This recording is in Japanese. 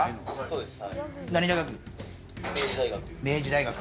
そうです。